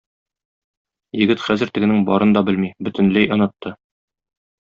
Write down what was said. Егет хәзер тегенең барын да белми, бөтенләй онытты.